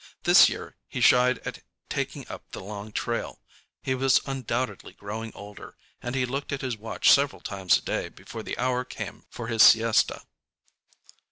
This year he shied at taking up the long trail. He was undoubtedly growing older; and he looked at his watch several times a day before the hour came for his siesta.